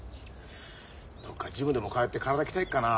どっかジムでも通って体鍛えっかな。